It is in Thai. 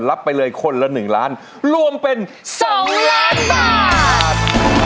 รับไปเลยคนละหนึ่งล้านรวมเป็นสองล้านบาท